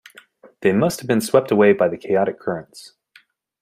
They must have been swept away by the chaotic currents.